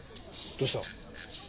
どうした？